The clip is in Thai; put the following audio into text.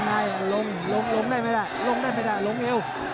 ลงได้ลงลงได้ไหมล่ะลงได้ไหมล่ะลงเอว